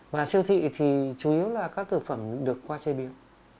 và siêu thị thì chủ yếu là các thực phẩm được qua chế biến